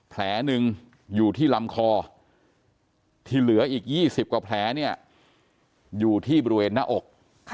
แผลหนึ่งอยู่ที่ลำคอที่เหลืออีก๒๐กว่าแผลเนี่ยอยู่ที่บริเวณหน้าอก